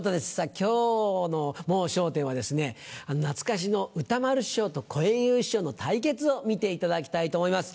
今日の『もう笑点』はですね懐かしの歌丸師匠と小圓遊師匠の対決を見ていただきたいと思います。